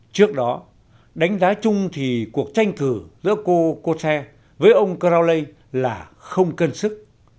trước đó đánh giá chung thì cuộc tranh thử giữa cô cô thè với ông crowley là không cân sức